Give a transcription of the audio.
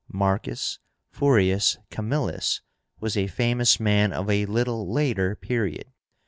MARCUS FURIUS CAMILLUS was a famous man of a little later period.